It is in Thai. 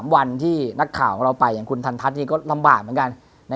วันที่นักข่าวของเราไปอย่างคุณทันทัศน์ก็ลำบากเหมือนกัน